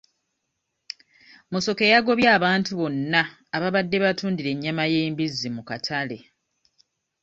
Musoke yagobye abantu bonna ababadde batundira ennyama y'embizzi mu katale.